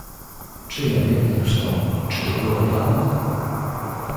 "Czy ja wiem zresztą, czy to była plama?"